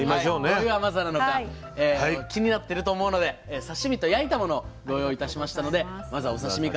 どういう甘さなのか気になってると思うので刺身と焼いたものご用意いたしましたのでまずはお刺身から。